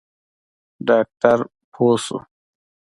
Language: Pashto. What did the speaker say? ډاکتر پوه سو.